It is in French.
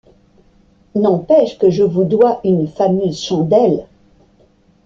N’empêche que je vous dois une fameuse chandelle!